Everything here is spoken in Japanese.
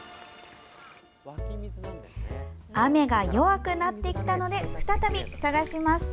雨が弱くなってきたので再び探します。